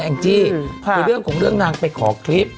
เป็นเรื่องของความที่นางไปขอคลิป